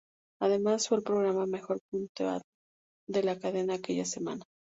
Además, fue el programa mejor puntuado de la cadena aquella semana.